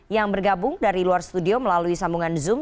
yang bergabung dari luar studio melalui sambungan zoom